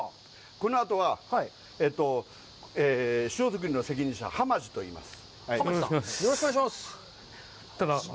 このあとは、塩作りの責任者浜士といいます。